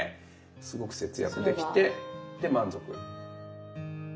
すごく節約できてで満足。